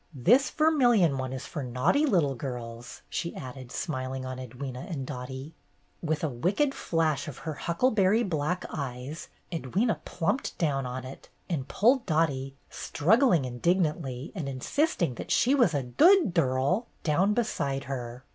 This vermilion one is for naughty little girls,'' she added, smiling on Edwyna and Dottie. With a wicked flash of her huckleberry black eyes, Edwyna plumped down on it, and pulled Dottie, struggling indignantly and in sisting that she was a "dood dirl," down beside her.